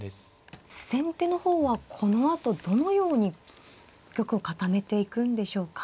先手の方はこのあとどのように玉を固めていくんでしょうか。